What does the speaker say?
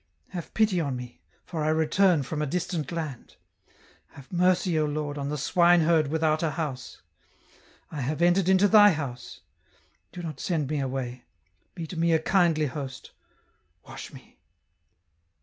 Have pity on me, for I return from a distant land. Have mercy, O Lord, on the swine herd without a house. I have entered into Thy house ; do not send me away, be to me a kindly host, wash me."